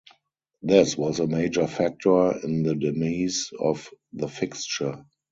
This was a major factor in the demise of the fixture.